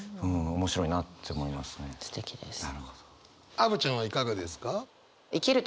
アヴちゃんはいかがですか？